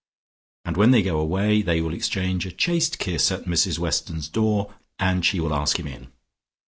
And when they go away, they will exchange a chaste kiss at Mrs Weston's door, and she will ask him in.